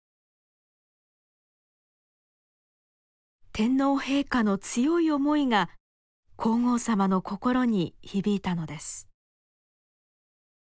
天皇陛下の強い思いが皇后さまの心に響いたのです。